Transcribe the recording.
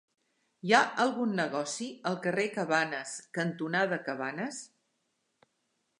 Hi ha algun negoci al carrer Cabanes cantonada Cabanes?